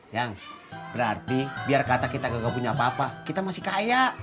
ya berarti biar kata kita gak punya apa apa kita masih kaya